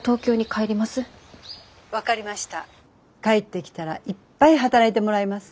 帰ってきたらいっぱい働いてもらいます。